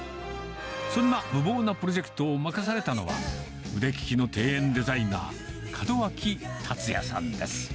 そんな無謀なプロジェクトを任されたのは、腕利きの庭園デザイナー、門脇竜也さんです。